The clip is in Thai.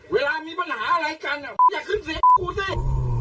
เวลามีปัญหาอะไรกันอย่าขึ้นเสียงกูสิ